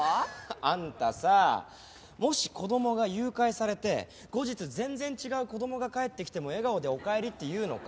あんたさもし子供が誘拐されて後日全然違う子供が帰ってきても笑顔で「おかえり」って言うのか？